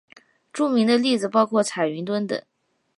著名的例子包括彩云邨等。